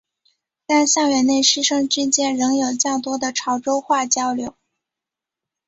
但校园内师生之间仍有较多的潮州话交流。